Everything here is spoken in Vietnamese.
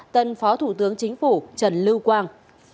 tân phó thủ tướng chính phủ trần lưu quang